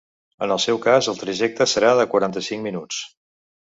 En el seu cas el trajecte serà de quaranta-cinc minuts.